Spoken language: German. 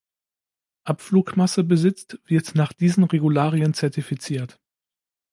Abflugmasse besitzt, wird nach diesen Regularien zertifiziert.